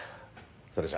それじゃ。